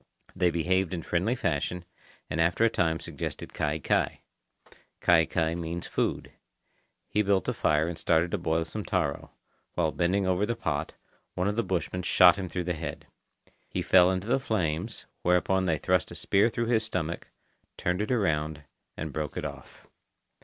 They behaved in friendly fashion, and after a time suggested kai kai. Kai kai means food. He built a fire and started to boil some taro. While bending over the pot, one of the bushmen shot him through the head. He fell into the flames, whereupon they thrust a spear through his stomach, turned it around, and broke it off.